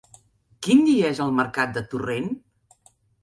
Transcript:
Quin dia és el mercat de Torrent?